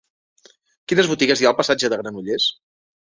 Quines botigues hi ha al passatge de Granollers?